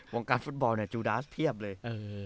วงการฟุตบอลจูดาสเพียบเลย